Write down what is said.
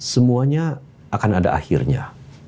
semuanya akan ada akhirnya